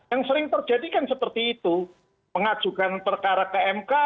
yang sering terjadi kan seperti itu pengajukan perkara ke mk